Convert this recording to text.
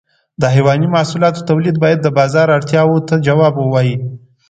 د حيواني محصولاتو تولید باید د بازار اړتیاو ته ځواب ووایي.